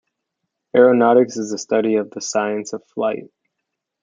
Aeronautics is the study of the science of flight.